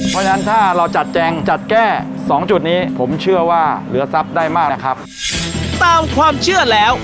เพราะฉะนั้นถ้าเราจัดแจงจัดแก้สองจุดนี้ผมเชื่อว่าเหลือทรัพย์ได้มากนะครับตามความเชื่อแล้ว